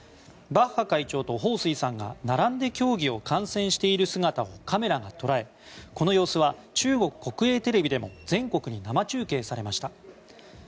バッハ会長とホウ・スイさんが並んで競技を観戦している姿をカメラが捉えこの様子は中国国営テレビでも全国に生中継されました。